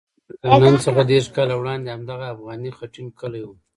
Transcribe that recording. له نن څخه دېرش کاله وړاندې همدغه افغاني خټین کلی وو.